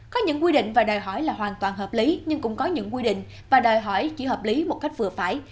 có những quy định và đòi hỏi là hoàn toàn hợp lý nhưng cũng có những quy định và đòi hỏi chỉ hợp lý một cách vừa phải